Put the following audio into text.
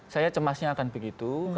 saya cemasnya akan begitu